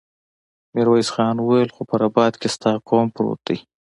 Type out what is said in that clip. ميرويس خان وويل: خو په رباط کې ستا قوم پروت دی.